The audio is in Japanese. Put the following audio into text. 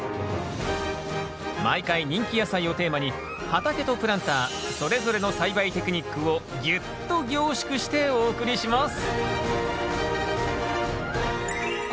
毎回人気野菜をテーマに畑とプランターそれぞれの栽培テクニックをぎゅっと凝縮してお送りします。